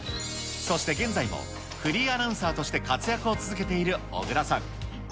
そして現在もフリーアナウンサーとして活躍を続けている小倉さん。